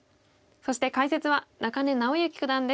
そして解説は中根直行九段です。